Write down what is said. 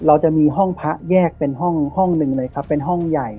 เราจะมีห้องพระแยกเป็นห้องห้องหนึ่งเลยครับเป็นห้องใหญ่